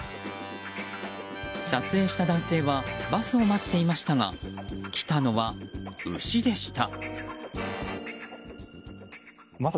撮影した男性はバスを待っていましたが来たのは牛でした。